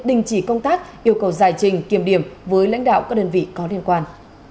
đình chỉ công tác yêu cầu giải trình kiểm điểm với lãnh đạo các đơn vị có liên quan